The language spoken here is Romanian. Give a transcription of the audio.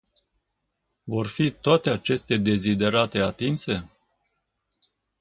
Vor fi toate aceste deziderate atinse?